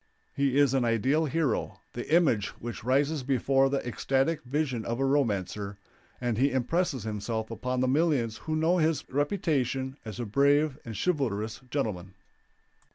He is an ideal hero, the image which rises before the ecstatic vision of a romancer, and he impresses himself upon the millions who know his reputation as a brave and chivalrous gentleman.